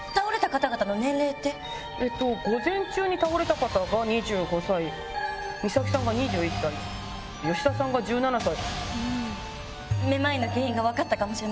午前中に倒れた方が２５歳美咲さんが２１歳ヨシダさんが１７歳。